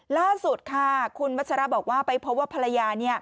ล่าสุดค่ะคุณวัชราบอกว่าไปพบว่าภรรยา